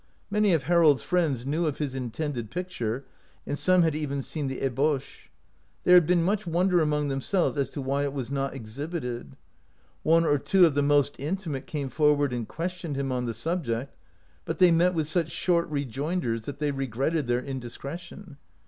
Many of Harold's friends knew of his intended picture, and some had even seen the ebauche. There had been much wonder among themselves as to why it was not exhibited. One or two of the most in timate came forward and questioned him on the subject, but they met with such short rejoinders that they regretted their indiscre tion.